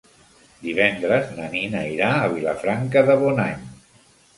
Divendres na Nina irà a Vilafranca de Bonany.